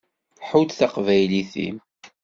Ḥudd taqbaylit-im.